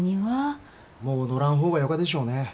もう乗らん方がよかでしょうね。